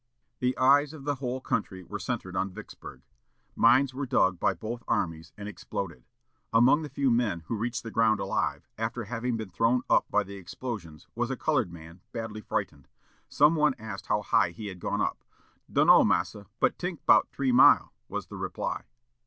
The eyes of the whole country were centred on Vicksburg. Mines were dug by both armies, and exploded. Among the few men who reached the ground alive after having been thrown up by the explosions was a colored man, badly frightened. Some one asked how high he had gone up. "Dunno, massa; but tink 'bout t'ree mile," was the reply.